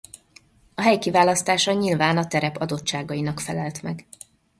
A hely kiválasztása nyilván a terep adottságainak felelt meg.